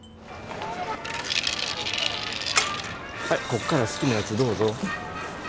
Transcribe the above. はいこっから好きなやつどうぞ。